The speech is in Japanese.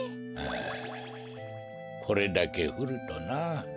あこれだけふるとなあ。